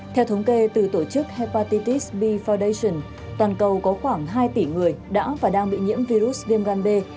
theo thống kê từ tổ chức hepatitis b foundation toàn cầu có khoảng hai tỷ người đã và đang bị nhiễm virus viêm gan b